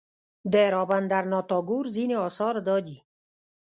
د رابندر ناته ټاګور ځینې اثار دادي.